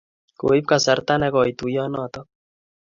Koip kasarta nekoy tuyonotok